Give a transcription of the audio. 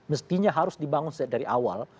mestinya harus dibangun dari awal